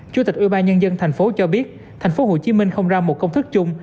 chủ tịch ủy ban nhân dân tp hcm cho biết tp hcm không ra một công thức chung